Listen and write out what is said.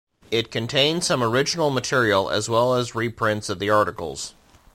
It contained some original material, as well as reprints of the articles.